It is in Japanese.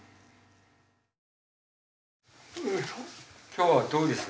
今日はどうです？